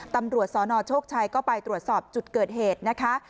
ตำรวจสนโชคชัยก็ไปตรวจสอบจุดเกิดเหตุนะคะ